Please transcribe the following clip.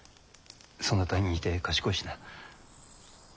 そなたに似て賢いしな。